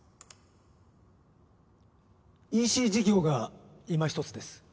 ＥＣ事業がいまひとつです